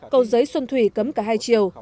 cầu giấy xuân thủy cấm cả hai chiều